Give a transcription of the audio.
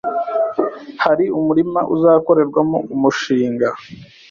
hari umurima uzakorerwamo umushinga